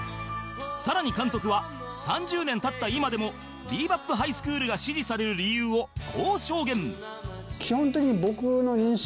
さらに監督は３０年経った今でも『ビー・バップ・ハイスクール』が支持される理由をこう証言